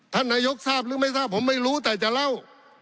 ท่านนายกทราบหรือไม่ทราบผมไม่รู้แต่จะเล่า